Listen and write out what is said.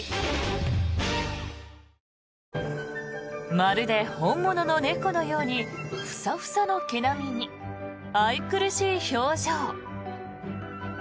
まるで本物の猫のようにふさふさの毛並みに愛くるしい表情。